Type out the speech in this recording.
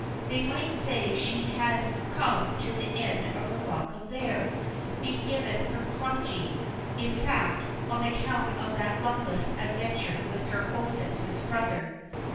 They might say she had come to the end of her welcome there been given her congé, in fact on account of that luckless adventure with her hostess' brother.